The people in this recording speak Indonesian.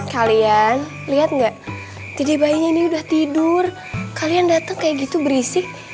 kalian lihat nggak jadi bayinya ini udah tidur kalian datang kayak gitu berisik